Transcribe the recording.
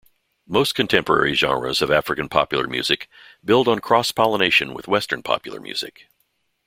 Most contemporary genres of African popular music build on cross-pollination with western popular music.